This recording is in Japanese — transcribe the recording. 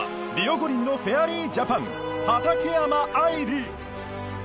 五輪のフェアリージャパン畠山愛理。